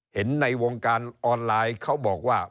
เห็นในวงการออนไลน์เค้าบอกว่า